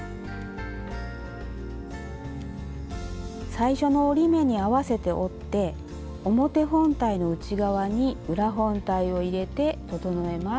最初の折り目に合わせて折って表本体の内側に裏本体を入れて整えます。